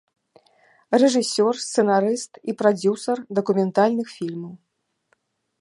Рэжысёр, сцэнарыст і прадзюсар дакументальных фільмаў.